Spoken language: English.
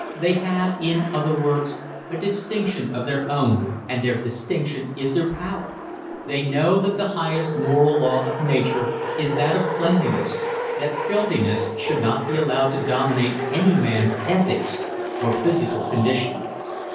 They have, in other words, a distinction of their own and their distinction is their power. They know that the highest moral law of nature is that of cleanliness, that filthiness should not be allowed to dominate any man's ethics or physical condition.